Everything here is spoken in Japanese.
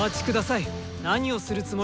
何をするつもりですか。